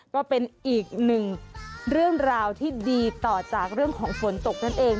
ก็เป็นอีกหนึ่งเรื่องราวที่ดีต่อจากเรื่องของฝนตกนั่นเอง